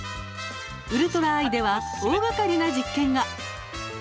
「ウルトラアイ」では大がかりな実験が。